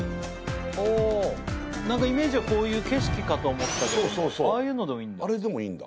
あなんかイメージはこういう景色かと思ったけどもああいうのでもいいんだ。